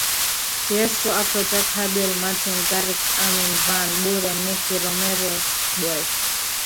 Tiësto Afrojack Hardwell Martin Garrix Armin van Buuren Nicky Romero Sbmg Boef